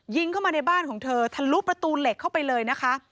ยิงเข้ามาในบ้านของเธอทะลุประตูเหล็กเข้าไปเลยนะคะ